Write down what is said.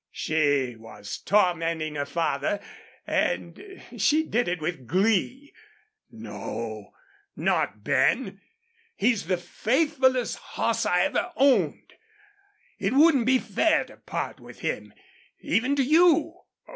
She was tormenting her father and she did it with glee. "No not Ben. He's the faithfulest hoss I ever owned. It wouldn't be fair to part with him, even to you.